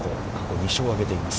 ２勝を挙げています。